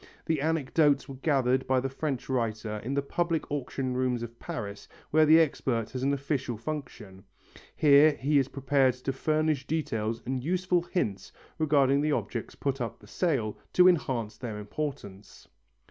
The anecdotes were gathered by the French writer in the public auction rooms of Paris where the expert has an official function. Here he is prepared to furnish details and useful hints regarding the objects put up for sale, to enhance their importance.